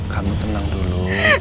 kamu tenang dulu